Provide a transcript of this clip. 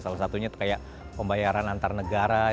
salah satunya kayak pembayaran antar negara